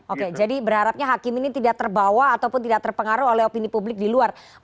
oke jadi berharapnya hakim ini tidak terbawa ataupun tidak terpengaruh oleh opini publik di luar